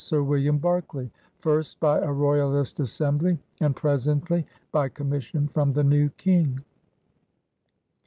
Sir William Berkeley — first by a royalist Assembly and presently by conmiission from the new King.